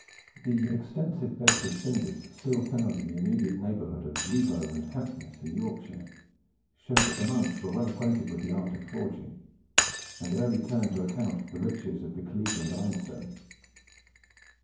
The extensive beds of cinders still found in the immediate neighbourhood of Rievaulx and Hackness, in Yorkshire, show that the monks were well acquainted with the art of forging, and early turned to account the riches of the Cleveland ironstone.